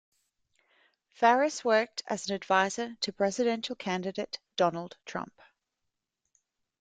Phares worked as an advisor to presidential candidate Donald Trump.